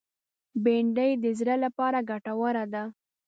بېنډۍ د زړه لپاره ګټوره ده